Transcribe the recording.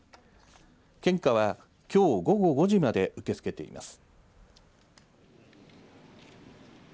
献花はきょう午後５時まで受け付けています。